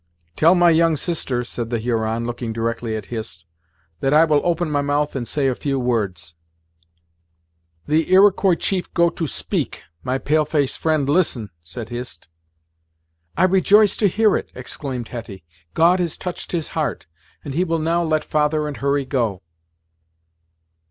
"Tell my young sister," said the Huron, looking directly at Hist, "that I will open my mouth and say a few words." "The Iroquois chief go to speak my pale face friend listen," said Hist. "I rejoice to hear it!" exclaimed Hetty. "God has touched his heart, and he will now let father and Hurry go."